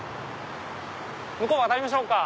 向こう渡りましょうか。